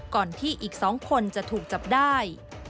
ก่อนที่อีก๒คนจะถูกจับได้